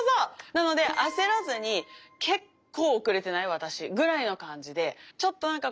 なので焦らずに結構遅れてない私？ぐらいの感じでちょっとなんか